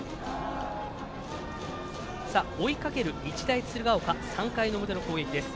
追いかける日大鶴ヶ丘３回の表の攻撃です。